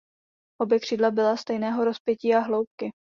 Obě křídla byla stejného rozpětí a hloubky.